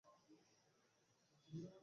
বাবা বললেই আমি যাব।